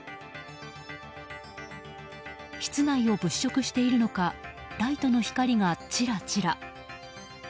室内を物色しているのかライトの光が、チラチラ。